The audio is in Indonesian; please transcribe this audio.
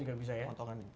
ganti potongan juga bisa ya